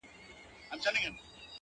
چي د مخ لمر يې تياره سي نيمه خوا سي،